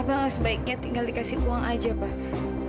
apa gak sebaiknya tinggal dikasih uang aja pak